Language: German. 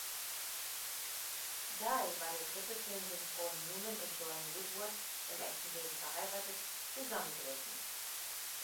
Die war der dritte Film, den Paul Newman und Joanne Woodward, im echten Leben verheiratet, zusammen drehten.